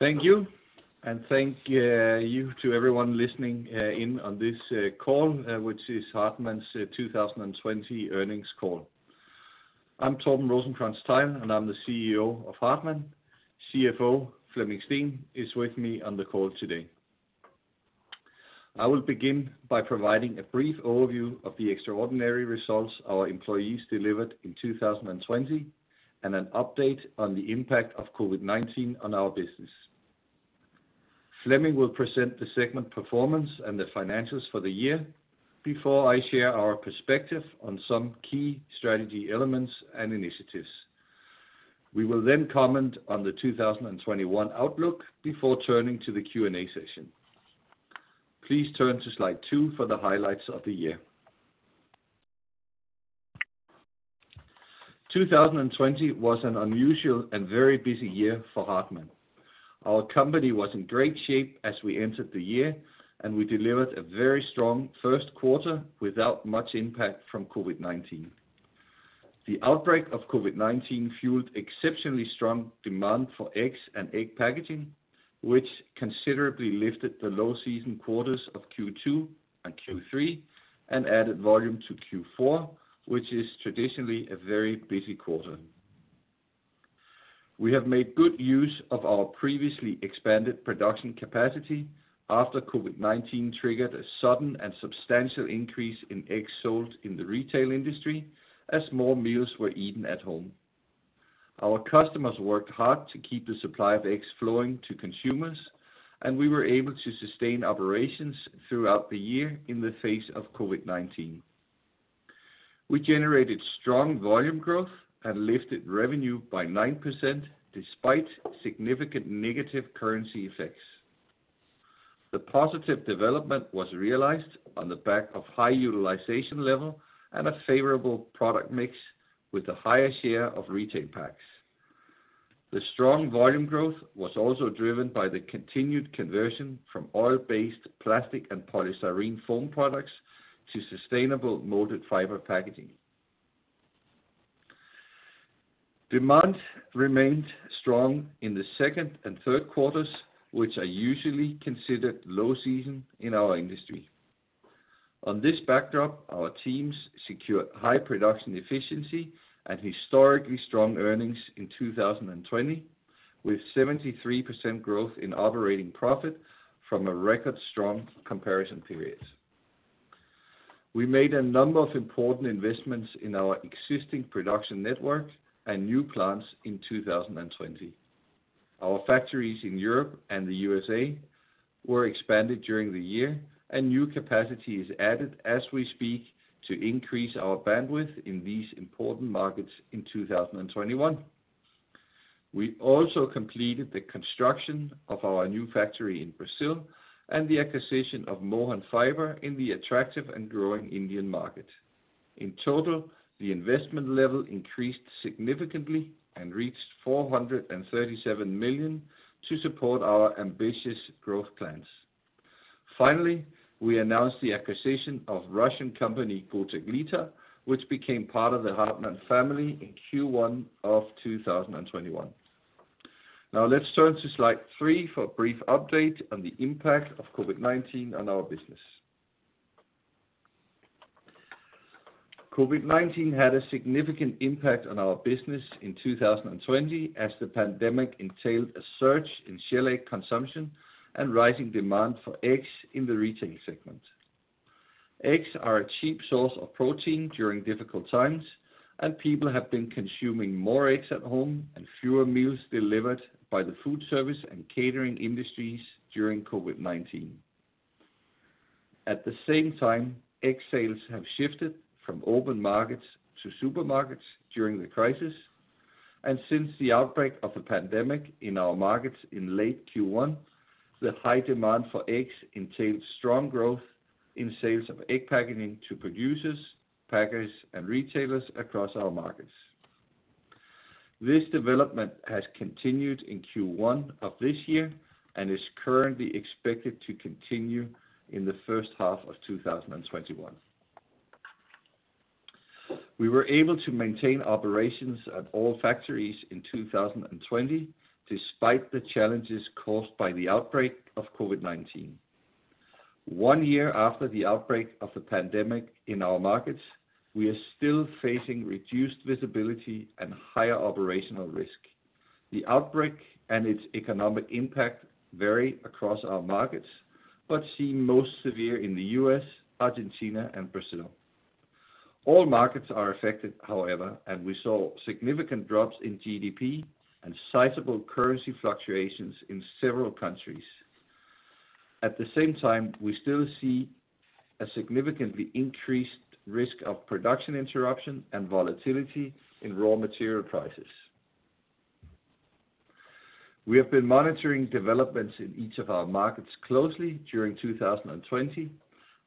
Thank you. Thank you to everyone listening in on this call, which is Hartmann's 2020 earnings call. I'm Torben Rosenkrantz-Theil, and I'm the CEO of Hartmann. CFO Flemming Steen is with me on the call today. I will begin by providing a brief overview of the extraordinary results our employees delivered in 2020 and an update on the impact of COVID-19 on our business. Flemming will present the segment performance and the financials for the year before I share our perspective on some key strategy elements and initiatives. We will then comment on the 2021 outlook before turning to the Q&A session. Please turn to slide two for the highlights of the year. 2020 was an unusual and very busy year for Hartmann. Our company was in great shape as we entered the year, and we delivered a very strong first quarter without much impact from COVID-19. The outbreak of COVID-19 fueled exceptionally strong demand for eggs and egg packaging, which considerably lifted the low season quarters of Q2 and Q3 and added volume to Q4, which is traditionally a very busy quarter. We have made good use of our previously expanded production capacity after COVID-19 triggered a sudden and substantial increase in eggs sold in the retail industry as more meals were eaten at home. Our customers worked hard to keep the supply of eggs flowing to consumers, and we were able to sustain operations throughout the year in the face of COVID-19. We generated strong volume growth and lifted revenue by 9%, despite significant negative currency effects. The positive development was realized on the back of high utilization level and a favorable product mix with a higher share of retail packs. The strong volume growth was also driven by the continued conversion from oil-based plastic and polystyrene foam products to sustainable molded fiber packaging. Demand remained strong in the second and third quarters, which are usually considered low season in our industry. On this backdrop, our teams secured high production efficiency and historically strong earnings in 2020, with 73% growth in operating profit from a record strong comparison periods. We made a number of important investments in our existing production network and new plants in 2020. Our factories in Europe and the U.S. were expanded during the year, and new capacity is added as we speak to increase our bandwidth in these important markets in 2021. We also completed the construction of our new factory in Brazil and the acquisition of Mohan Fibre in the attractive and growing Indian market. In total, the investment level increased significantly and reached 437 million to support our ambitious growth plans. Finally, we announced the acquisition of Russian company, Gotek-Litar JSC, which became part of the Hartmann family in Q1 of 2021. Let's turn to slide three for a brief update on the impact of COVID-19 on our business. COVID-19 had a significant impact on our business in 2020 as the pandemic entailed a surge in shell egg consumption and rising demand for eggs in the retail segment. Eggs are a cheap source of protein during difficult times, people have been consuming more eggs at home and fewer meals delivered by the food service and catering industries during COVID-19. At the same time, egg sales have shifted from open markets to supermarkets during the crisis, and since the outbreak of the pandemic in our markets in late Q1, the high demand for eggs entailed strong growth in sales of egg packaging to producers, packers, and retailers across our markets. This development has continued in Q1 of this year and is currently expected to continue in the first half of 2021. We were able to maintain operations at all factories in 2020 despite the challenges caused by the outbreak of COVID-19. One year after the outbreak of the pandemic in our markets, we are still facing reduced visibility and higher operational risk. The outbreak and its economic impact vary across our markets but seem most severe in the U.S., Argentina, and Brazil. All markets are affected, however, we saw significant drops in GDP and sizable currency fluctuations in several countries. At the same time, we still see a significantly increased risk of production interruption and volatility in raw material prices. We have been monitoring developments in each of our markets closely during 2020,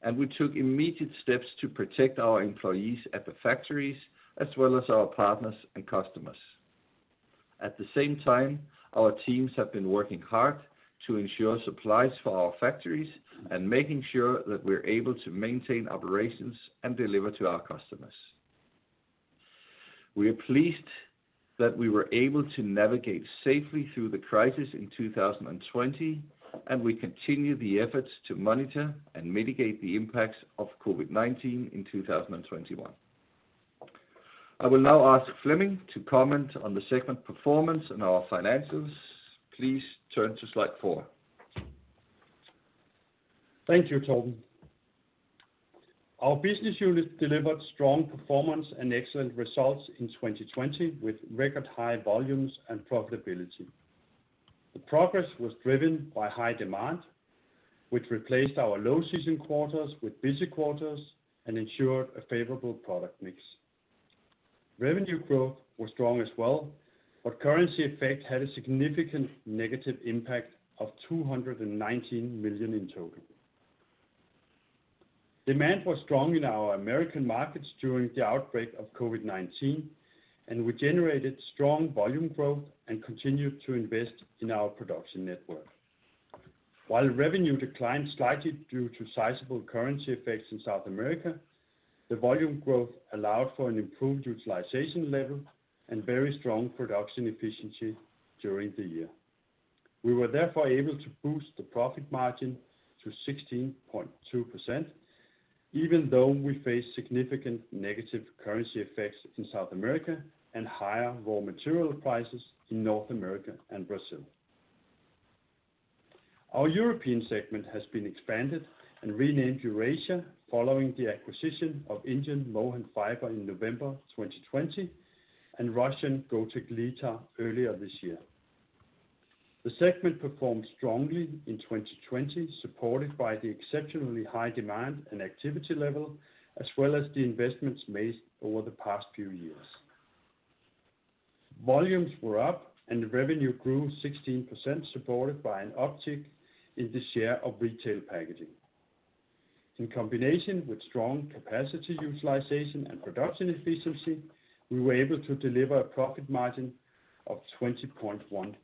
and we took immediate steps to protect our employees at the factories as well as our partners and customers. At the same time, our teams have been working hard to ensure supplies for our factories and making sure that we're able to maintain operations and deliver to our customers. We are pleased that we were able to navigate safely through the crisis in 2020, and we continue the efforts to monitor and mitigate the impacts of COVID-19 in 2021. I will now ask Flemming to comment on the segment performance and our financials, please turn to slide four. Thank you, Torben. Our business unit delivered strong performance and excellent results in 2020 with record high volumes and profitability. The progress was driven by high demand, which replaced our low season quarters with busy quarters and ensured a favorable product mix. Revenue growth was strong as well. Currency effect had a significant negative impact of 219 million in total. Demand was strong in our American markets during the outbreak of COVID-19, and we generated strong volume growth and continued to invest in our production network. While revenue declined slightly due to sizable currency effects in South America, the volume growth allowed for an improved utilization level and very strong production efficiency during the year. We were therefore able to boost the profit margin to 16.2%, even though we faced significant negative currency effects in South America and higher raw material prices in North America and Brazil. Our European segment has been expanded and renamed Eurasia following the acquisition of Indian Mohan Fibre in November 2020 and Russian Gotek-Litar earlier this year. The segment performed strongly in 2020, supported by the exceptionally high demand and activity level, as well as the investments made over the past few years. Volumes were up, revenue grew 16%, supported by an uptick in the share of retail packaging. In combination with strong capacity utilization and production efficiency, we were able to deliver a profit margin of 20.1%.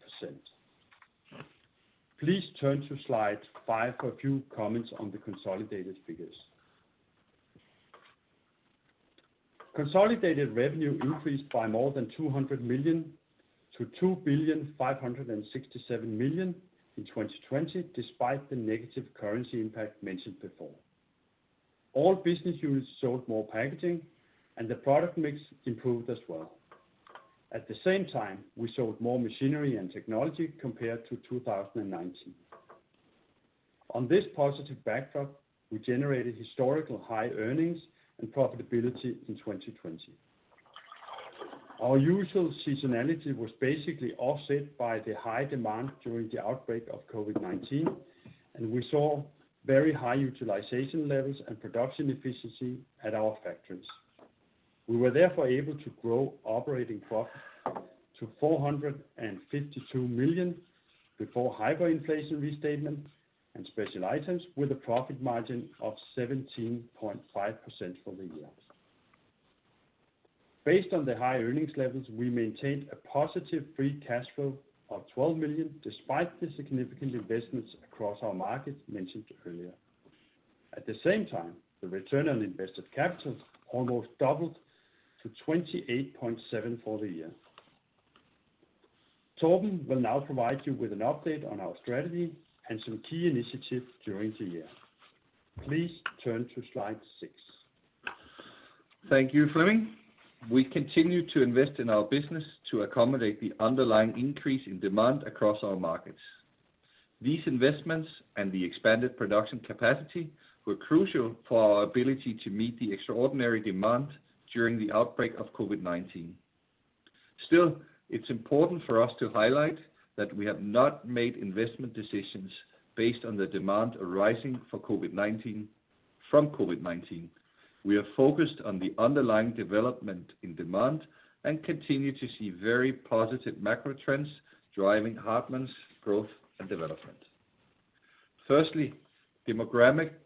Please turn to slide five for a few comments on the consolidated figures. Consolidated revenue increased by more than 200 million to 2.567 billion in 2020, despite the negative currency impact mentioned before. All business units sold more packaging, the product mix improved as well. At the same time, we sold more machinery and technology compared to 2019. On this positive backdrop, we generated historical high earnings and profitability in 2020. Our usual seasonality was basically offset by the high demand during the outbreak of COVID-19, and we saw very high utilization levels and production efficiency at our factories. We were therefore able to grow operating profit to 452 million before hyperinflation restatement and special items with a profit margin of 17.5% for the year. Based on the high earnings levels, we maintained a positive free cash flow of 12 million, despite the significant investments across our markets mentioned earlier. At the same time, the return on invested capital almost doubled to 28.7% for the year. Torben will now provide you with an update on our strategy and some key initiatives during the year, please turn to slide six. Thank you, Flemming. We continue to invest in our business to accommodate the underlying increase in demand across our markets. These investments and the expanded production capacity were crucial for our ability to meet the extraordinary demand during the outbreak of COVID-19. Still, it's important for us to highlight that we have not made investment decisions based on the demand arising from COVID-19. We are focused on the underlying development in demand and continue to see very positive macro trends driving Hartmann's growth and development. Firstly, demographics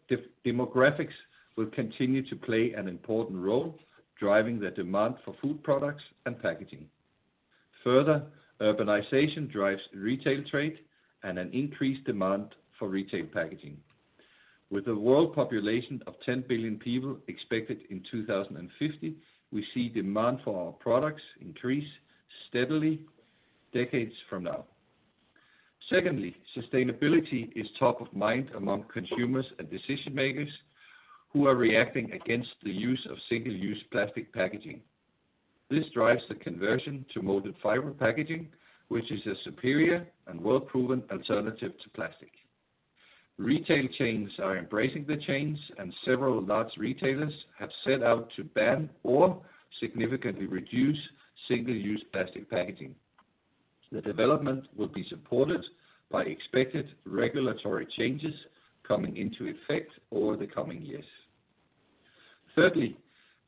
will continue to play an important role, driving the demand for food products and packaging. Further, urbanization drives retail trade and an increased demand for retail packaging. With a world population of 10 billion people expected in 2050, we see demand for our products increase steadily decades from now. Secondly, sustainability is top of mind among consumers and decision-makers who are reacting against the use of single-use plastic packaging. This drives the conversion to molded fiber packaging, which is a superior and well-proven alternative to plastic. Retail chains are embracing the change, and several large retailers have set out to ban or significantly reduce single-use plastic packaging. The development will be supported by expected regulatory changes coming into effect over the coming years. Thirdly,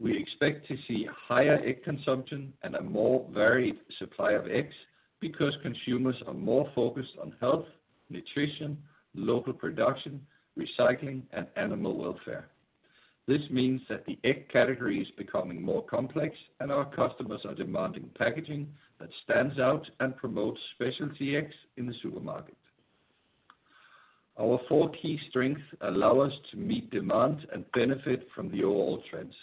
we expect to see higher egg consumption and a more varied supply of eggs because consumers are more focused on health, nutrition, local production, recycling, and animal welfare. This means that the egg category is becoming more complex, and our customers are demanding packaging that stands out and promotes specialty eggs in the supermarket. Our four key strengths allow us to meet demand and benefit from the overall trends.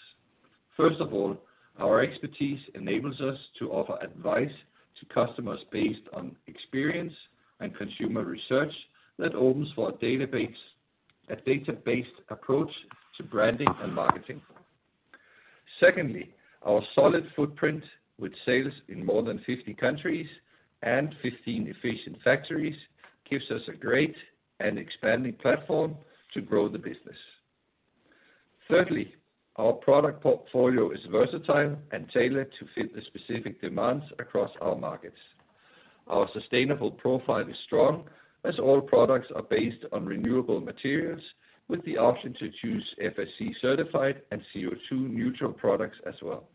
First of all, our expertise enables us to offer advice to customers based on experience and consumer research that opens for a data-based approach to branding and marketing. Secondly, our solid footprint with sales in more than 50 countries and 15 efficient factories gives us a great and expanding platform to grow the business. Thirdly, our product portfolio is versatile and tailored to fit the specific demands across our markets. Our sustainable profile is strong as all products are based on renewable materials with the option to choose FSC certified and CO2 neutral products as well.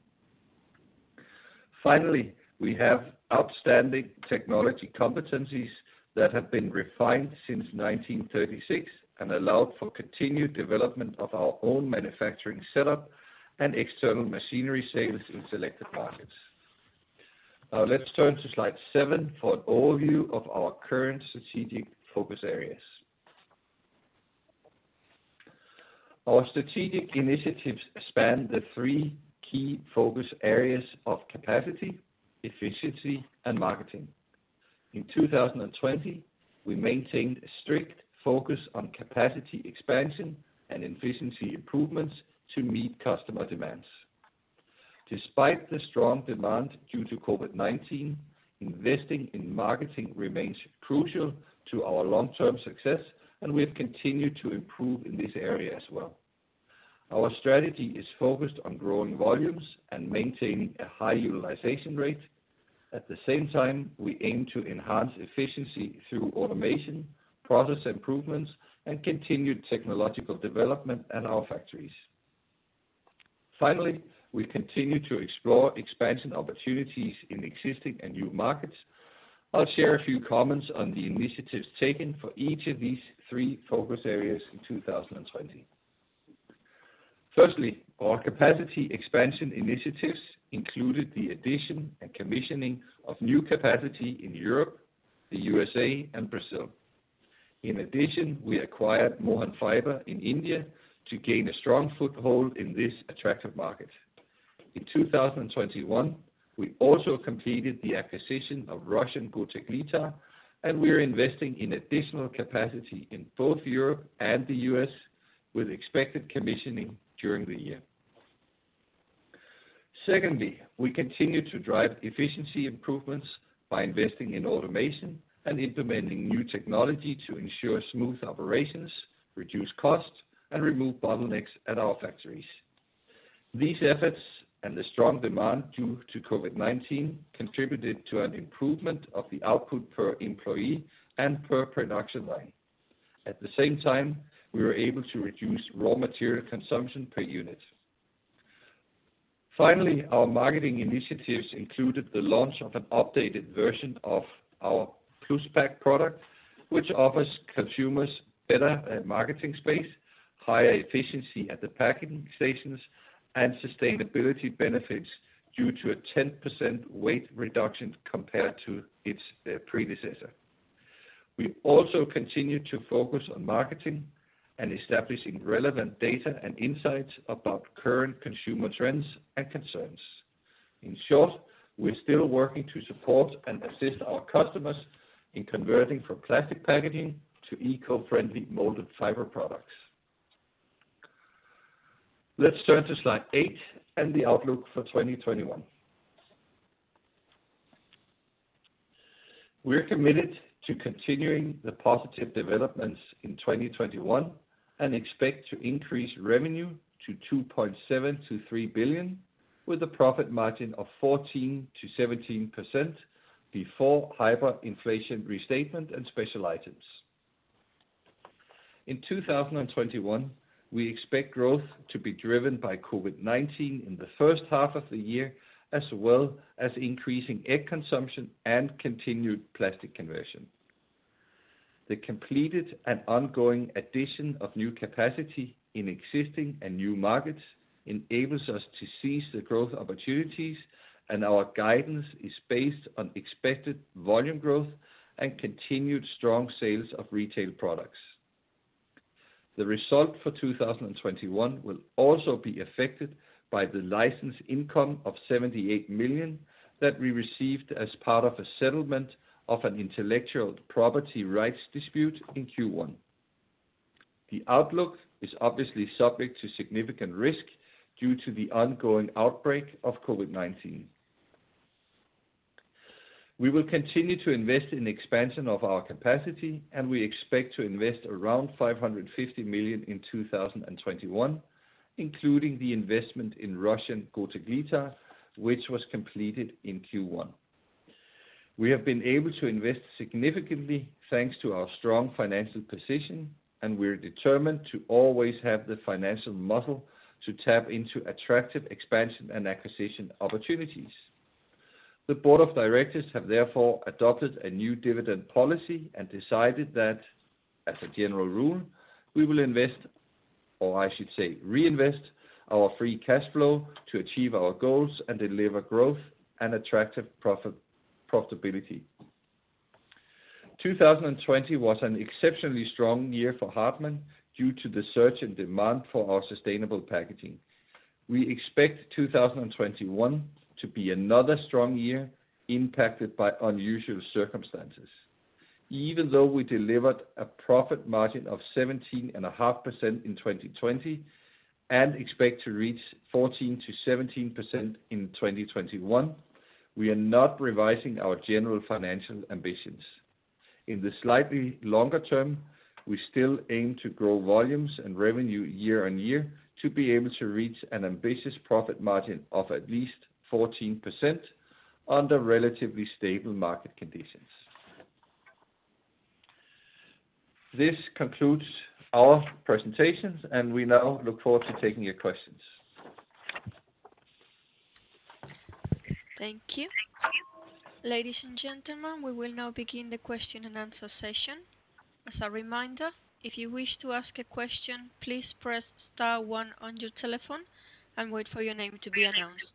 Finally, we have outstanding technology competencies that have been refined since 1936 and allowed for continued development of our own manufacturing setup and external machinery sales in selected markets. Now, let's turn to slide seven for an overview of our current strategic focus areas. Our strategic initiatives span the three key focus areas of capacity, efficiency, and marketing. In 2020, we maintained a strict focus on capacity expansion and efficiency improvements to meet customer demands. Despite the strong demand due to COVID-19, investing in marketing remains crucial to our long-term success, and we have continued to improve in this area as well. Our strategy is focused on growing volumes and maintaining a high utilization rate. At the same time, we aim to enhance efficiency through automation, process improvements, and continued technological development in our factories. Finally, we continue to explore expansion opportunities in existing and new markets. I'll share a few comments on the initiatives taken for each of these three focus areas in 2020. Firstly, our capacity expansion initiatives included the addition and commissioning of new capacity in Europe, the USA, and Brazil. In addition, we acquired Mohan Fibre in India to gain a strong foothold in this attractive market. In 2021, we also completed the acquisition of Russian Gotek-Litar, and we are investing in additional capacity in both Europe and the U.S., with expected commissioning during the year. Secondly, we continue to drive efficiency improvements by investing in automation and implementing new technology to ensure smooth operations, reduce costs, and remove bottlenecks at our factories. These efforts and the strong demand due to COVID-19 contributed to an improvement of the output per employee and per production line. At the same time, we were able to reduce raw material consumption per unit. Finally, our marketing initiatives included the launch of an updated version of our Plus Pack product, which offers consumers better marketing space, higher efficiency at the packing stations, and sustainability benefits due to a 10% weight reduction compared to its predecessor. We also continue to focus on marketing and establishing relevant data and insights about current consumer trends and concerns. In short, we're still working to support and assist our customers in converting from plastic packaging to eco-friendly molded fiber products. Let's turn to slide eight and the outlook for 2021. We're committed to continuing the positive developments in 2021 and expect to increase revenue to 2.7 billion-3 billion, with a profit margin of 14%-17% before hyperinflation restatement and special items. In 2021, we expect growth to be driven by COVID-19 in the first half of the year, as well as increasing egg consumption and continued plastic conversion. The completed and ongoing addition of new capacity in existing and new markets enables us to seize the growth opportunities, and our guidance is based on expected volume growth and continued strong sales of retail products. The result for 2021 will also be affected by the license income of 78 million that we received as part of a settlement of an intellectual property rights dispute in Q1. The outlook is obviously subject to significant risk due to the ongoing outbreak of COVID-19. We will continue to invest in expansion of our capacity, and we expect to invest around 550 million in 2021, including the investment in Russian Gotek-Litar, which was completed in Q1. We have been able to invest significantly thanks to our strong financial position, and we're determined to always have the financial muscle to tap into attractive expansion and acquisition opportunities. The board of directors have therefore adopted a new dividend policy and decided that as a general rule, we will reinvest our free cash flow to achieve our goals and deliver growth and attractive profitability. 2020 was an exceptionally strong year for Hartmann due to the surge in demand for our sustainable packaging. We expect 2021 to be another strong year impacted by unusual circumstances. Even though we delivered a profit margin of 17.5% in 2020 and expect to reach 14%-17% in 2021, we are not revising our general financial ambitions. In the slightly longer term, we still aim to grow volumes and revenue year-on-year to be able to reach an ambitious profit margin of at least 14% under relatively stable market conditions. This concludes our presentations, and we now look forward to taking your questions. Thank you. Ladies and gentlemen, we will now begin the question-and-answer session. As a reminder, if you wish to ask a question, please press star one on your telephone and wait for your name to be announced.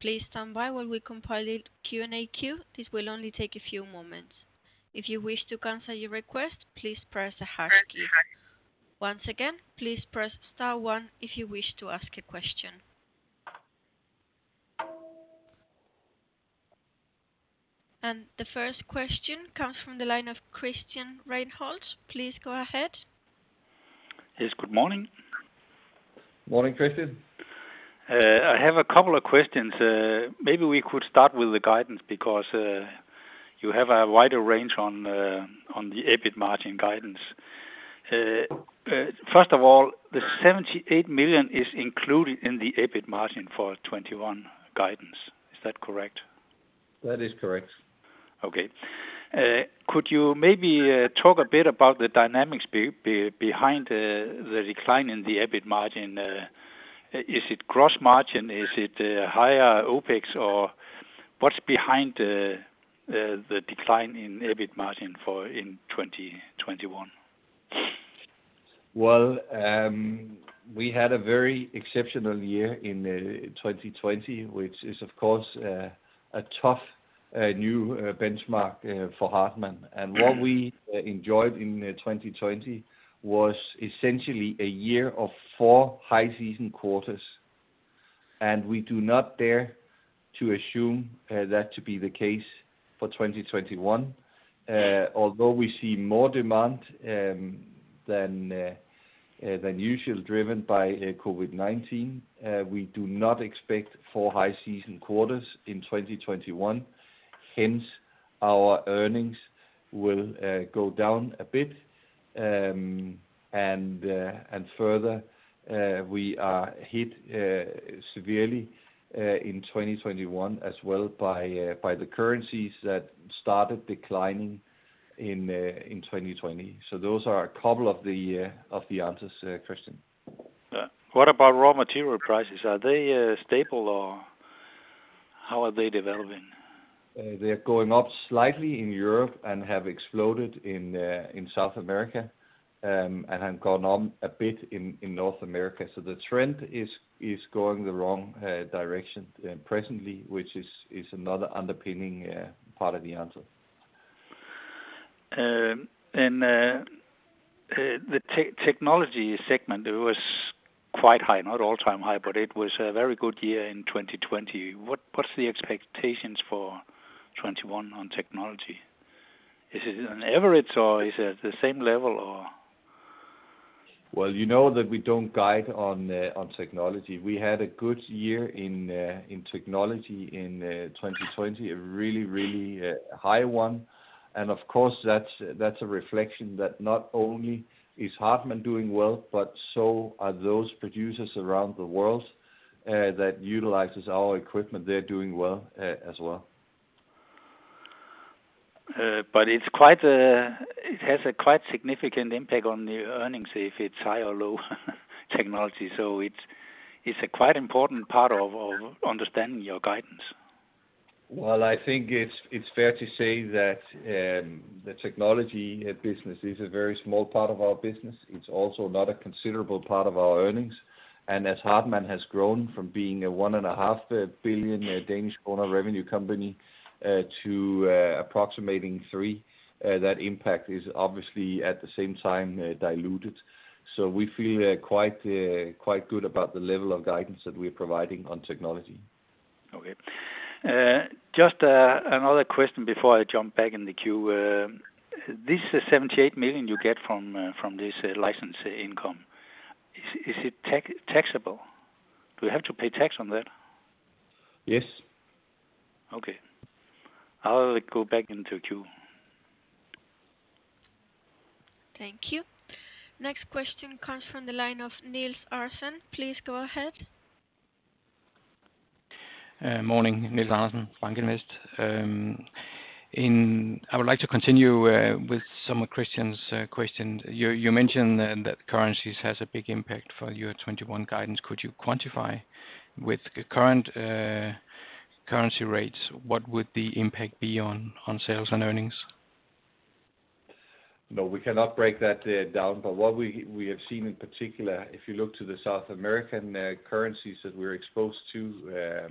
Please stand by while we compile the Q&A queue. This will only take a few moments. If you wish to cancel your request, please press the hash key. Once again, please press star one if you wish to ask a question. The first question comes from the line of Christian Reinholdt. Please go ahead. Yes, good morning. Morning, Christian. I have a couple of questions. Maybe we could start with the guidance because you have a wider range on the EBIT margin guidance. First of all, the 78 million is included in the EBIT margin for 2021 guidance. Is that correct? That is correct. Okay. Could you maybe talk a bit about the dynamics behind the decline in the EBIT margin? Is it gross margin? Is it higher OpEx? What's behind the decline in EBIT margin in 2021? Well, we had a very exceptional year in 2020, which is, of course, a tough new benchmark for Hartmann. What we enjoyed in 2020 was essentially a year of four high-season quarters, and we do not dare to assume that to be the case for 2021. Although we see more demand than usual driven by COVID-19, we do not expect four high-season quarters in 2021. Hence, our earnings will go down a bit. Further, we are hit severely in 2021 as well by the currencies that started declining in 2020. Those are a couple of the answers, Christian. Yeah. What about raw material prices? Are they stable, or how are they developing? They're going up slightly in Europe and have exploded in South America and have gone up a bit in North America. The trend is going the wrong direction presently, which is another underpinning part of the answer. In the technology segment, it was quite high, not all-time high, but it was a very good year in 2020. What's the expectations for 2021 on technology? Is it on average or is it at the same level, or? Well, you know that we don't guide on technology. We had a good year in technology in 2020, a really high one. Of course, that's a reflection that not only is Hartmann doing well, but so are those producers around the world that utilize our equipment. They're doing well as well. It has a quite significant impact on the earnings if it's high or low technology. It's a quite important part of understanding your guidance. Well, I think it's fair to say that the technology business is a very small part of our business. It's also not a considerable part of our earnings. As Hartmann has grown from being a 1.5 billion revenue company to approximating 3 billion, that impact is obviously at the same time diluted. We feel quite good about the level of guidance that we're providing on technology. Okay. Just another question before I jump back in the queue. This 78 million you get from this license income, is it taxable? Do you have to pay tax on that? Yes. Okay. I'll go back into queue. Thank you. Next question comes from the line of Niels Andersen. Please go ahead. Morning, Niels Andersen, BankInvest. I would like to continue with some of Christian's questions. You mentioned that currencies has a big impact for your 2021 guidance. Could you quantify with current currency rates, what would the impact be on sales and earnings? No, we cannot break that down. What we have seen in particular, if you look to the South American currencies that we're exposed to,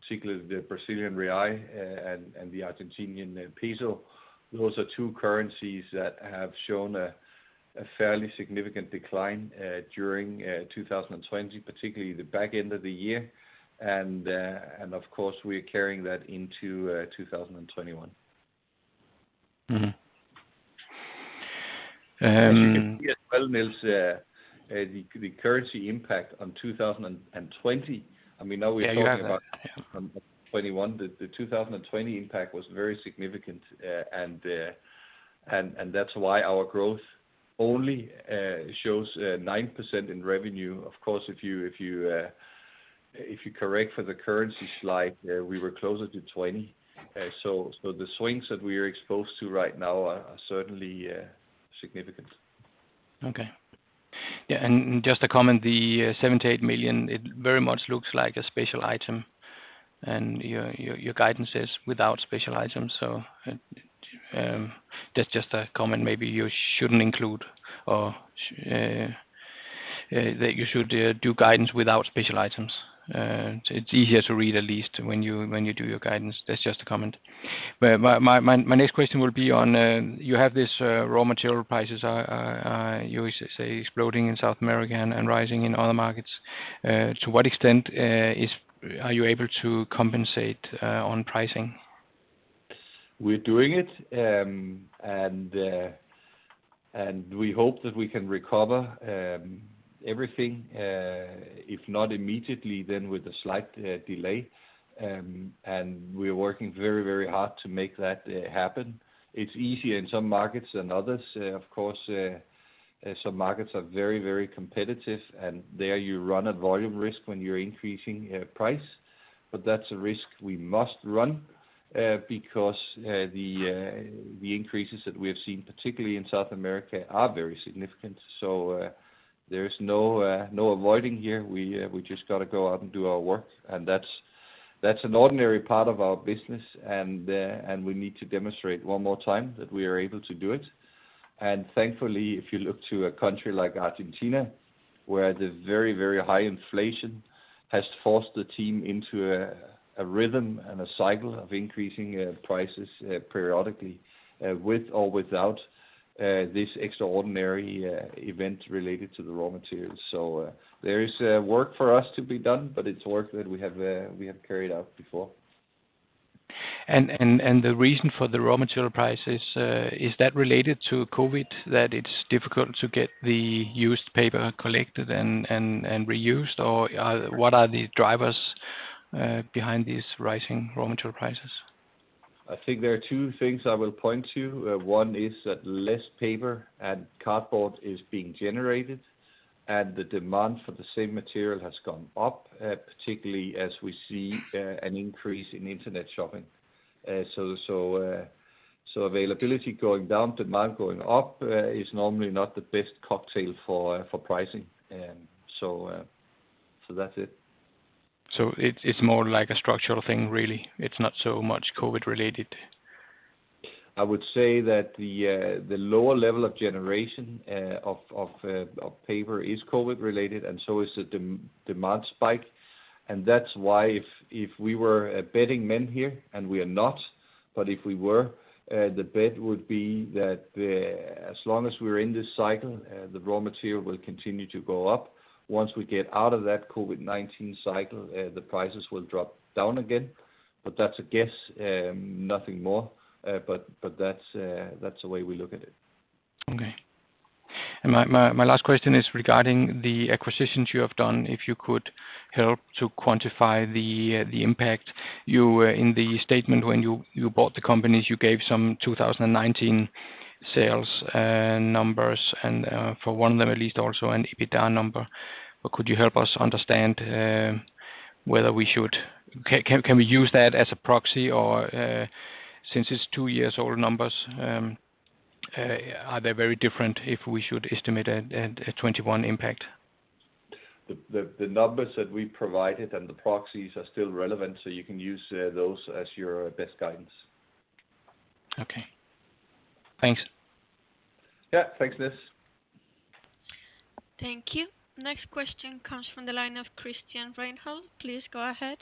particularly the Brazilian real and the Argentinian peso. Those are two currencies that have shown a fairly significant decline during 2020, particularly the back end of the year. Of course, we're carrying that into 2021. As you can see as well, Niels, the currency impact on 2020-2021, the 2020 impact was very significant, and that's why our growth only shows 9% in revenue. Of course, if you correct for the currency slide, we were closer to 20. The swings that we are exposed to right now are certainly significant. Okay. Yeah, just to comment, the 78 million, it very much looks like a special item, and your guidance is without special items. That's just a comment, maybe you shouldn't include or that you should do guidance without special items. It's easier to read at least when you do your guidance. That's just a comment. My next question will be on, you have this raw material prices you say exploding in South America and rising in other markets. To what extent are you able to compensate on pricing? We're doing it, and we hope that we can recover everything, if not immediately, then with a slight delay. We're working very hard to make that happen. It's easier in some markets than others. Of course, some markets are very competitive, and there you run a volume risk when you're increasing price. That's a risk we must run, because the increases that we have seen, particularly in South America, are very significant. There is no avoiding here, we just got to go out and do our work. That's an ordinary part of our business, and we need to demonstrate one more time that we are able to do it. Thankfully, if you look to a country like Argentina, where the very high inflation has forced the team into a rhythm and a cycle of increasing prices periodically, with or without this extraordinary event related to the raw materials. There is work for us to be done, but it's work that we have carried out before. The reason for the raw material prices, is that related to COVID, that it's difficult to get the used paper collected and reused? What are the drivers behind these rising raw material prices? I think there are two things I will point to. One is that less paper and cardboard is being generated, and the demand for the same material has gone up, particularly as we see an increase in internet shopping. Availability going down, demand going up is normally not the best cocktail for pricing. That's it. It's more like a structural thing, really. It's not so much COVID related. I would say that the lower level of generation of paper is COVID related, and so is the demand spike. That's why if we were betting men here, and we are not, but if we were, the bet would be that as long as we're in this cycle, the raw material will continue to go up. Once we get out of that COVID-19 cycle, the prices will drop down again. That's a guess, nothing more. That's the way we look at it. Okay. My last question is regarding the acquisitions you have done. If you could help to quantify the impact. In the statement when you bought the companies, you gave some 2019 sales numbers and for one of them, at least also an EBITDA number. Could you help us understand whether we can use that as a proxy or, since it's two years old numbers, are they very different if we should estimate a 2021 impact? The numbers that we provided and the proxies are still relevant, so you can use those as your best guidance. Okay. Thanks. Yeah. Thanks, Niels. Thank you. Next question comes from the line of Christian Reinholdt. Please go ahead.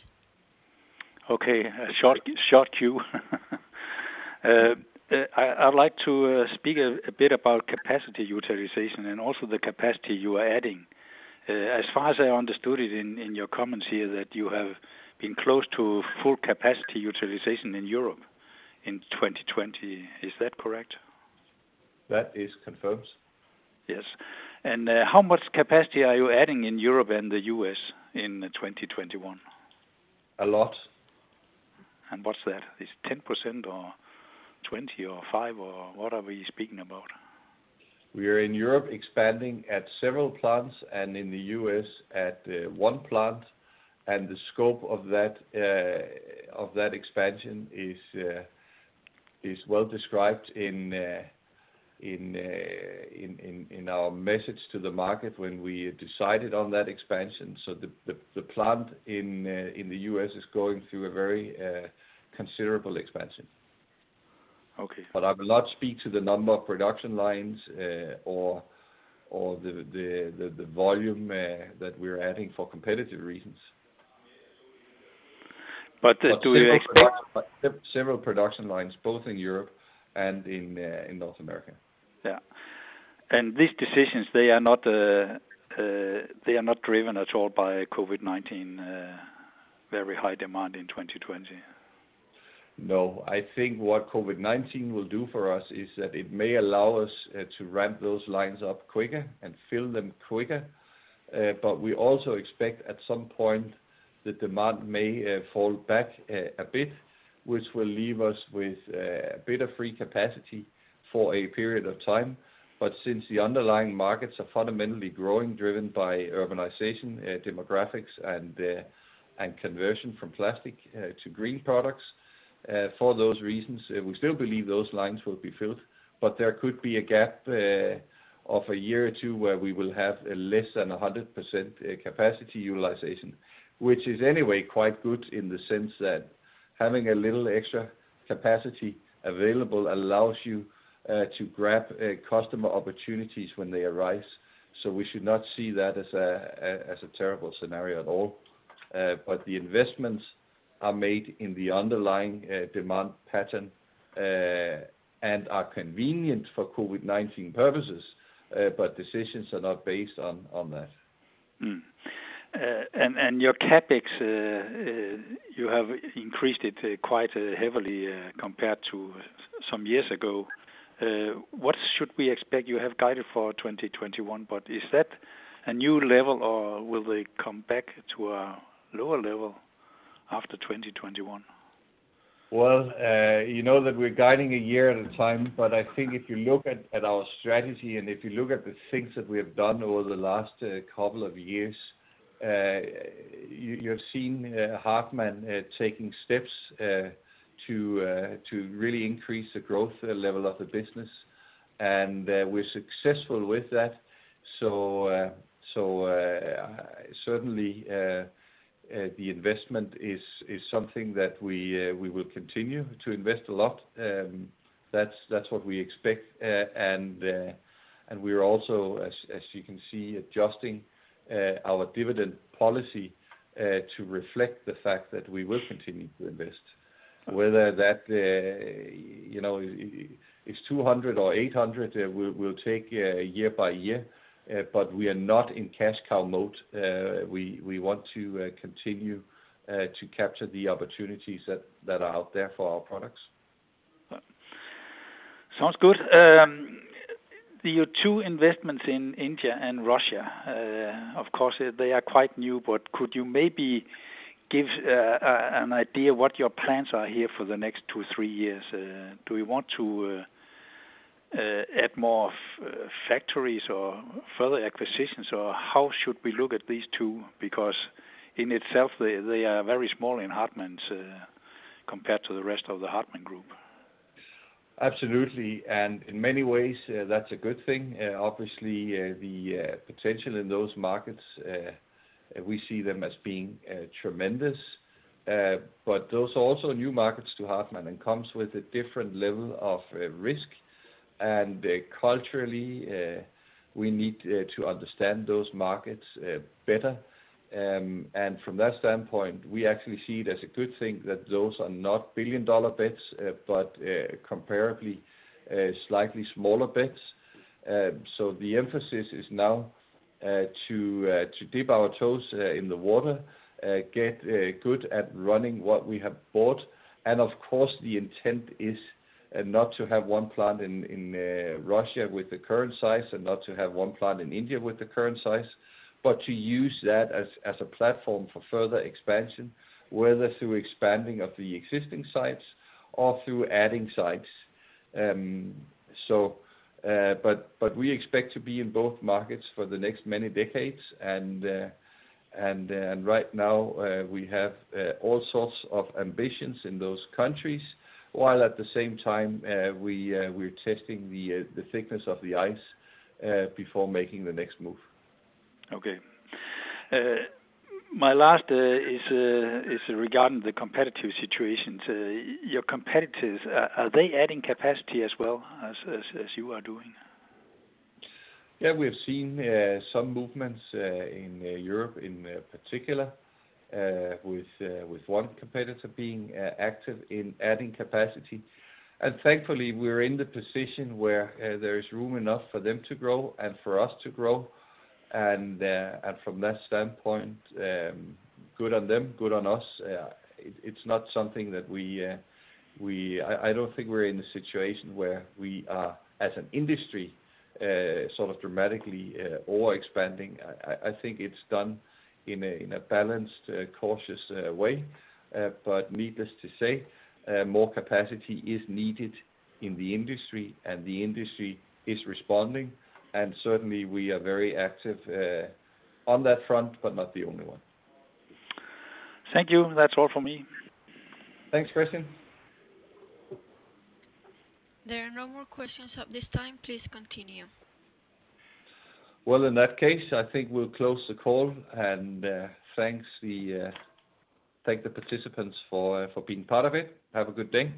Okay. Short queue. I'd like to speak a bit about capacity utilization and also the capacity you are adding. As far as I understood it in your comments here, that you have been close to full capacity utilization in Europe in 2020. Is that correct? That is confirmed. Yes. How much capacity are you adding in Europe and the U.S. in 2021? A lot. What's that? Is it 10% or 20% or 5% or what are we speaking about? We are in Europe expanding at several plants and in the U.S. at one plant, the scope of that expansion is well described in our message to the market when we decided on that expansion. The plant in the U.S. is going through a very considerable expansion. Okay. I will not speak to the number of production lines or the volume that we're adding for competitive reasons. But do you expect- Several production lines both in Europe and in North America. Yeah. These decisions, they are not driven at all by COVID-19 very high demand in 2020? No, I think what COVID-19 will do for us is that it may allow us to ramp those lines up quicker and fill them quicker. We also expect at some point the demand may fall back a bit, which will leave us with a bit of free capacity for a period of time. Since the underlying markets are fundamentally growing, driven by urbanization, demographics and conversion from plastic to green products, for those reasons, we still believe those lines will be filled. There could be a gap of a year or two where we will have less than 100% capacity utilization. Which is anyway quite good in the sense that having a little extra capacity available allows you to grab customer opportunities when they arise. We should not see that as a terrible scenario at all. The investments are made in the underlying demand pattern, and are convenient for COVID-19 purposes, but decisions are not based on that. Your CapEx, you have increased it quite heavily compared to some years ago. What should we expect you have guided for 2021? Is that a new level, or will they come back to a lower level after 2021? Well, you know that we're guiding a year at a time. I think if you look at our strategy and if you look at the things that we have done over the last couple of years, you have seen Hartmann taking steps to really increase the growth level of the business. We're successful with that. Certainly, the investment is something that we will continue to invest a lot. That's what we expect. We're also, as you can see, adjusting our dividend policy to reflect the fact that we will continue to invest. Whether that is 200 or 800, we'll take year by year. We are not in cash cow mode, we want to continue to capture the opportunities that are out there for our products. Sounds good. Your two investments in India and Russia, of course, they are quite new, but could you maybe give an idea what your plans are here for the next two, three years? Do you want to add more factories or further acquisitions, or how should we look at these two? In itself, they are very small in Hartmann compared to the rest of the Hartmann Group. Absolutely. In many ways, that's a good thing. Obviously, the potential in those markets, we see them as being tremendous. Those are also new markets to Hartmann and comes with a different level of risk. Culturally, we need to understand those markets better. From that standpoint, we actually see it as a good thing that those are not billion-dollar bets, but comparably slightly smaller bets. The emphasis is now to dip our toes in the water, get good at running what we have bought. Of course, the intent is not to have one plant in Russia with the current size and not to have one plant in India with the current size, but to use that as a platform for further expansion, whether through expanding of the existing sites or through adding sites. We expect to be in both markets for the next many decades. Right now, we have all sorts of ambitions in those countries, while at the same time, we're testing the thickness of the ice before making the next move. Okay. My last is regarding the competitive situation to your competitors. Are they adding capacity as well as you are doing? Yeah, we have seen some movements in Europe in particular, with one competitor being active in adding capacity. Thankfully, we're in the position where there is room enough for them to grow and for us to grow. From that standpoint, good on them, good on us. I don't think we're in a situation where we are as an industry sort of dramatically over-expanding. I think it's done in a balanced, cautious way. Needless to say, more capacity is needed in the industry and the industry is responding. Certainly, we are very active on that front, but not the only one. Thank you. That's all from me. Thanks, Christian. There are no more questions at this time. Please continue. Well, in that case, I think we'll close the call. Thank the participants for being part of it. Have a good day.